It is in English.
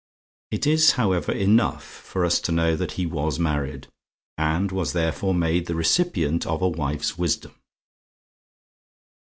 It is, however, enough for us to know that he was married; and was therefore made the recipient of a wife's wisdom.